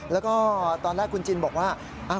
แล้วก็ตอนแรกคุณจินบอกว่า